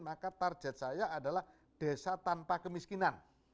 maka target saya adalah desa tanpa kemiskinan